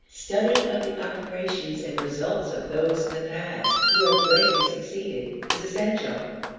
Study of the operations and results of those in the past who have greatly succeeded is essential.